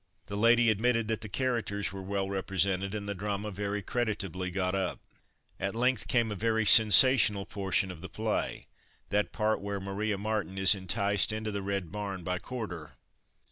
The lady admitted that the characters were well represented, and the drama very creditably got up. At length came a very sensational portion of the play. That part where Maria Martin is enticed into the Red Barn by Corder.